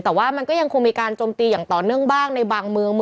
แต่ว่ามันก็ยังคงมีการจมตีอย่างต่อเนื่องบ้างในบางเมือง